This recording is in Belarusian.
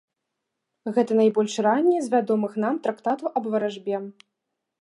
Гэта найбольш ранні з вядомых нам трактатаў аб варажбе.